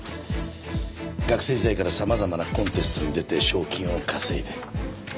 学生時代から様々なコンテストに出て賞金を稼いで。